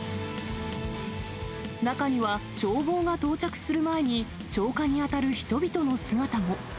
中には消防が到着する前に、消火に当たる人々の姿も。